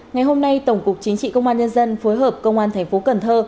ngày hôm nay tổng cục chính trị công an nhân dân phối hợp công an tp cần thơ